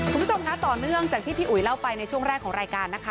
คุณผู้ชมคะต่อเนื่องจากที่พี่อุ๋ยเล่าไปในช่วงแรกของรายการนะคะ